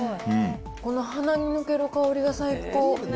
この、鼻に抜ける香りが最高。